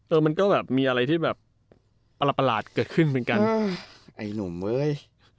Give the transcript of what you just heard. มันก็แบบมีอะไรที่แบบประหลาดเกิดขึ้นเหมือนกันไอ้หนุ่มเว้ย